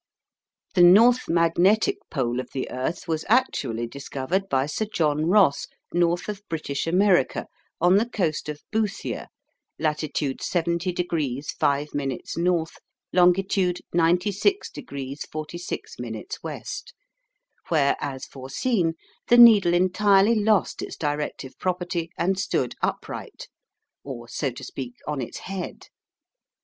The north magnetic pole of the earth was actually discovered by Sir John Ross north of British America, on the coast of Boothia (latitude 70 degrees 5' N, longitude 96 degrees 46' W), where, as foreseen, the needle entirely lost its directive property and stood upright, or, so to speak, on its head.